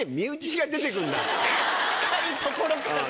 近いところからね。